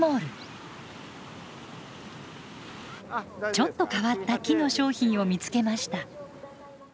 ちょっと変わった木の商品を見つけました。